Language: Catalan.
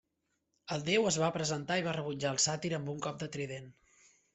El déu es va presentar i va rebutjar el sàtir amb un cop de trident.